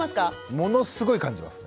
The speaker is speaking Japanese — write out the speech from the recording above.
ものすごい感じますね。